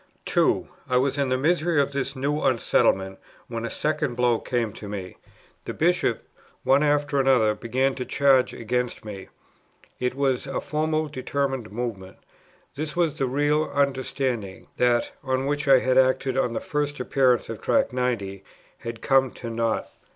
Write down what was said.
2. I was in the misery of this new unsettlement, when a second blow came upon me. The Bishops one after another began to charge against me. It was a formal, determinate movement. This was the real "understanding;" that, on which I had acted on the first appearance of Tract 90, had come to nought.